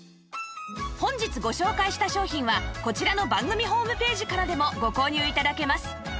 本日ご紹介した商品はこちらの番組ホームページからでもご購入頂けます